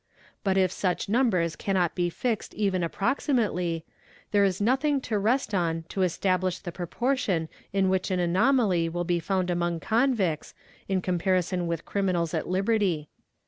But if such numbers cannot be fixed even approximately, there is nothing to rest on to establish the proportion in which an 16 122 EXAMINATION OF ACCUSED anomaly will be found among convicts, in comparison with criminals at_ liberty.